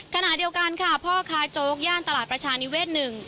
ขณะเดียวกันค่ะพ่อค้าโจ๊กย่านตลาดประชานิเวศ๑